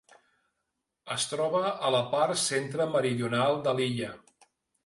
Es troba a la part centre-meridional de l'illa.